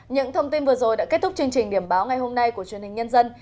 những thông tin vừa rồi đã kết thúc chương trình điểm báo ngày hôm nay của truyền hình nhân dân